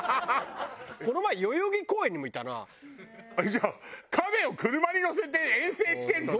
じゃあカメを車に乗せて遠征してるのね！